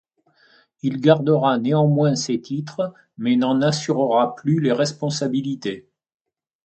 Il gardera néanmoins ses titres mais n'en assurera plus les responsabilités.